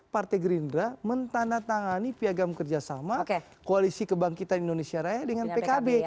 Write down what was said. partai gerindra mentandatangani piagam kerjasama koalisi kebangkitan indonesia raya dengan pkb